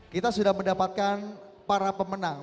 kita sudah mendapatkan para pemenang